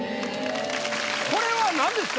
これはなんですか？